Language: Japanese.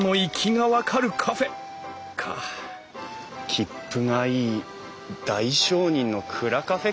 きっぷがいい大商人の蔵カフェか？